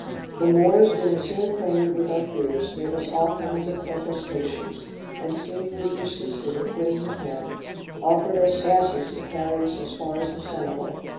The Moors being soon acquainted with our fears, made us all kinds of protestations; and seeing we persisted in quitting the camp, offered us asses to carry us as far as the Senegal.